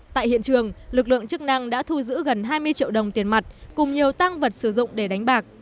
tại hiện trường lực lượng chức năng đã thu giữ gần hai mươi triệu đồng tiền mặt cùng nhiều tăng vật sử dụng để đánh bạc